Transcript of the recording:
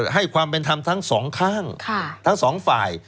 ให้ความเป็นธรรมทั้งสองข้างทั้งสองฝ่าย